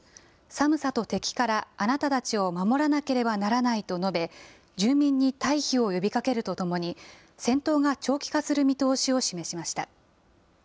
寒さと敵からあなたたちを守らなければならないと述べ、住民に退避を呼びかけるとともに、戦闘が長期化する見通しを示しました。